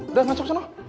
udah masuk sana